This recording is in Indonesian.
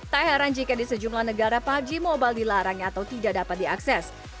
tak heran jika di sejumlah negara pubg mobile dilarang atau tidak dapat diakses